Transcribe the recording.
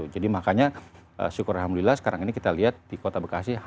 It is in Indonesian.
jadi makanya syukur alhamdulillah sekarang ini kita lihat di kota bekasi